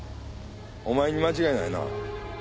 お前に間違いないな？